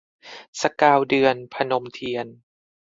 สกาวเดือน - พนมเทียน